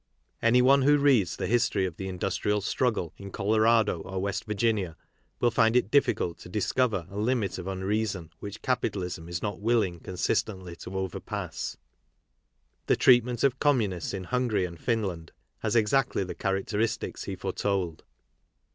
Anyone who reads the history of the industrial struggle in Colorado or West Virginia will find it difficult to discover a limit of unreason which capitalism is not willing consistently to overpass. The treatment of communists in Hungary and Finland ^as exactly the characteristics he foretold.